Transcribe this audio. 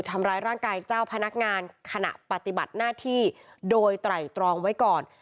ทำร้ายร่างกายเจ้าพนักงานขณะปฏิบัติหน้าที่โดยไตรตรองไว้ก่อน